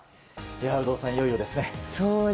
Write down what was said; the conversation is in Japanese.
有働さん、いよいよですね。